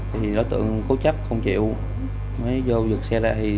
thì đối tượng cố chấp không chịu mới vô dựt xe lại